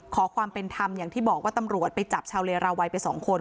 ขอความเป็นธรรมอย่างที่บอกว่าตำรวจไปจับชาวเลราวัยไป๒คน